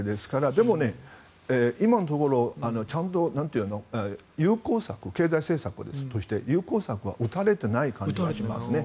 でも、今のところ経済政策として有効策は打たれてない感じがしますね。